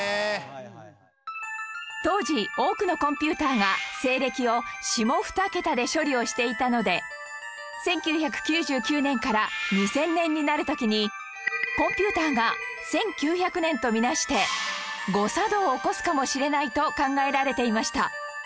当時多くのコンピューターが西暦を下２桁で処理をしていたので１９９９年から２０００年になる時にコンピューターが１９００年と見なして誤作動を起こすかもしれないと考えられていました